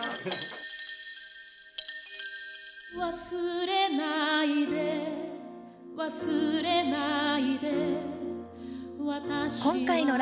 「忘れないで忘れないで」